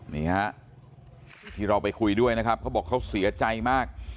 นี่ฮะที่เราไปคุยด้วยนะครับเขาบอกเขาเสียใจมาก